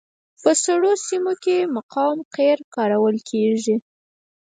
په سړو سیمو کې مقاوم قیر کارول کیږي